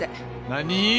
何？